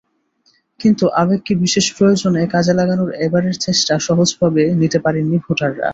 কিন্তু আবেগকে বিশেষ প্রয়োজনে কাজে লাগানোর এবারের চেষ্টা সহজভাবে নিতে পারেননি ভোটাররা।